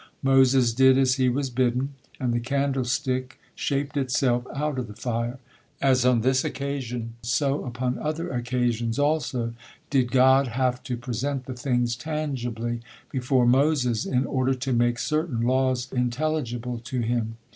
Moses did as he was bidden, and the candlestick shaped itself out of the fire. As on this occasion, so upon other occasions also did God have to present the things tangibly before Moses in order to make certain laws intelligible to him.